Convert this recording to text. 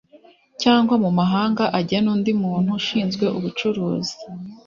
Cyangwa mu mahanga agena undi muntu ushinzwe ubucukuzi